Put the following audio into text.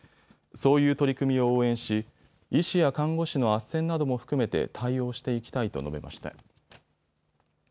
そういう取り組みを応援し医師や看護師のあっせんなども含めて対応していきたいと述べました。